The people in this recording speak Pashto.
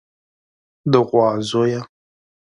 د غوا زويه.